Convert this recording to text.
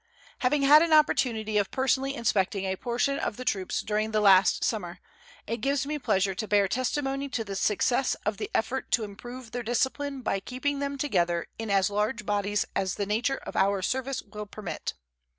Having had an opportunity of personally inspecting a portion of the troops during the last summer, it gives me pleasure to bear testimony to the success of the effort to improve their discipline by keeping them together in as large bodies as the nature of our service will permit.